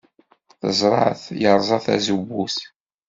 Teẓra-t yerẓa tazewwut.